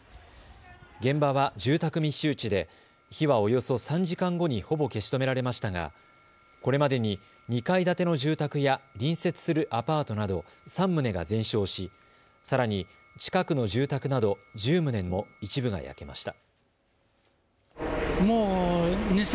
現場は住宅密集地で火はおよそ３時間後にほぼ消し止められましたがこれまでに２階建ての住宅や隣接するアパートなど３棟が全焼し、さらに近くの住宅など１０棟も一部が焼けました。